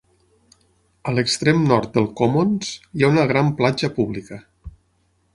A l'extrem nord del Commons, hi ha una gran platja pública.